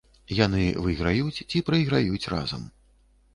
Яны выйграюць ці прайграюць разам.